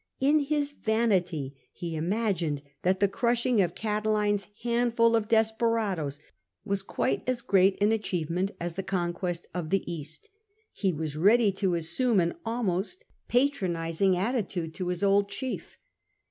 '' In his vanity he imagined that the crushing of Catiline's handful of i88 CEASStJS desperadoes was quite as great an acliieveinent as fhe epaquest of the East. He was ready to assume an almost patronising attitude to his old chief.